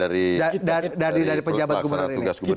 dari perut pelaksana tugas gubernur